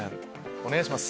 お願いします。